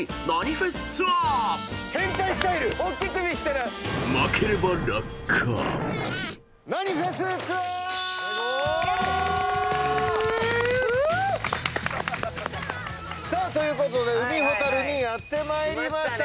フゥ！ということで海ほたるにやってまいりました。